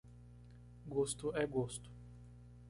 Gosto é gosto.